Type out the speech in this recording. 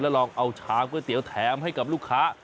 ลองเอาชามก๋วยเตี๋ยวแถมให้กับลูกค้า